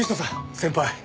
先輩。